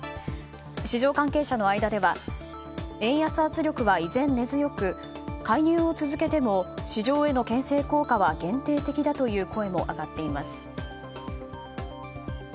市場関係者の間では円安圧力は依然、根強く介入を続けても市場への牽制効果は限定的だという声も上がっています。